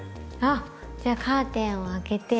あっじゃあカーテンを開けて。